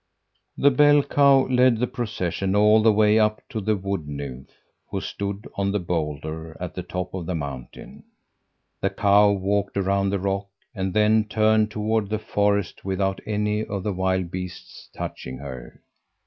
"The bell cow led the procession all the way up to the Wood nymph, who stood on the boulder at the top of the mountain. The cow walked around the rock and then turned toward the forest without any of the wild beasts touching her.